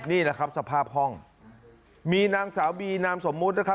นี่แหละครับสภาพห้องมีนางสาวบีนามสมมุตินะครับ